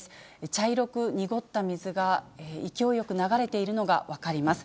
茶色く濁った水が、勢いよく流れているのが分かります。